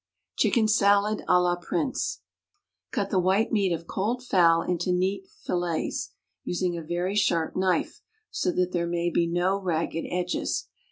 Chicken Salad à la Prince. Cut the white meat of cold fowl into neat fillets, using a very sharp knife, so that there may be no ragged edges.